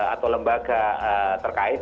atau lembaga terkait